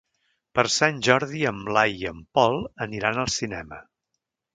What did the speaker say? Per Sant Jordi en Blai i en Pol aniran al cinema.